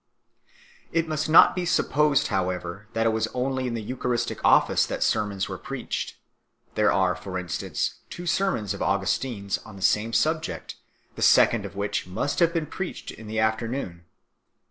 It must not be supposed, however, that it was only in the Eucharistic office that sermons were preached. There are, for instance, two sermons of Augustin s on the same subject 2 , the second of which must have been preached in the afternoon.